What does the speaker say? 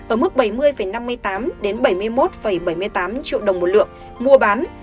ở mức bảy mươi năm mươi tám bảy mươi một bảy mươi tám triệu đồng một lượng mua bán